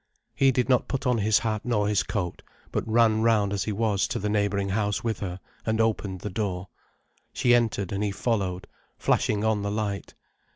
He did not put on his hat nor his coat, but ran round as he was to the neighbouring house with her, and opened the door. She entered, and he followed, flashing on the light.